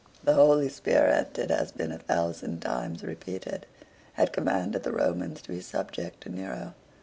The Holy Spirit, it had been a thousand times repeated, had commanded the Romans to be subject to Nero.